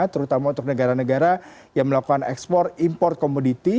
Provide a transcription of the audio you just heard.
terutama untuk negara negara yang melakukan ekspor import komoditi